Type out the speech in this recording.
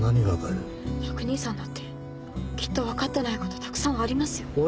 拓兄さんだってきっと分かってないことたくさんありますよ。